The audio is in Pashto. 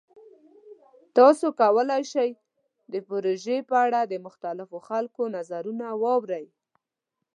تاسو کولی شئ د پروژې په اړه د مختلفو خلکو نظرونه واورئ.